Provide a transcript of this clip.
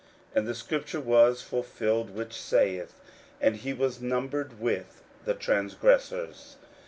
41:015:028 And the scripture was fulfilled, which saith, And he was numbered with the transgressors.